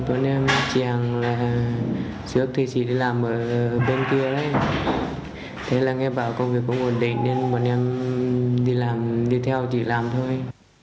bọn em chàng là trước thì chỉ đi làm ở bên kia đấy thế là nghe bảo công việc cũng ổn định nên bọn em đi theo chỉ làm thôi